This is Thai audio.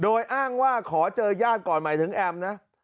โดยอ้างว่าขอเจอญาติก่อนหมายถึงแอมนะ